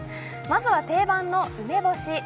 まずは定番の梅干し。